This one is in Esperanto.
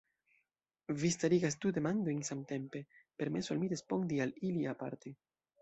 Vi starigas du demandojn samtempe, permesu al mi respondi al ili aparte.